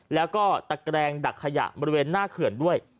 แล้วก็ตะแกรงดักขยะบริเวณหน้าเขื่อนด้วย